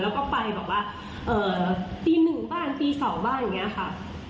แล้วก็ไปแบบว่าเอ่อปีหนึ่งบ้านปีเสาร์บ้านอย่างเงี้ยค่ะ